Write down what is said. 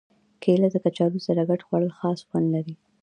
کېله د کچالو سره ګډ خوړل خاص خوند لري.